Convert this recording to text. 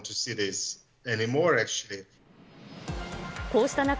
こうした中、